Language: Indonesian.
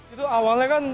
itu awalnya kan